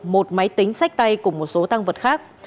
một máy tính sách tay cùng một số tăng vật khác